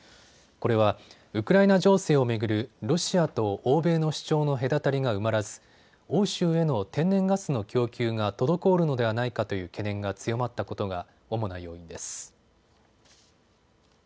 これはウクライナ情勢を巡るロシアと欧米の主張の隔たりが埋まらず欧州への天然ガスの供給が滞るのではないかという懸念が強まったことが主な要因です。